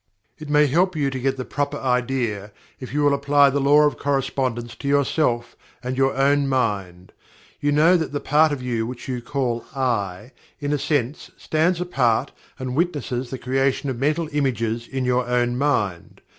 It may help you to get the proper idea, if you will apply the Law of Correspondence to yourself, and your own mind. You know that the part of You which you call "I," in a sense, stands apart and witnesses the creation of mental Images in your own mind.